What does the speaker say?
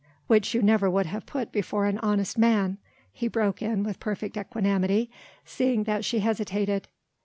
"Which you never would have put before an honest man," he broke in with perfect equanimity, seeing that she hesitated.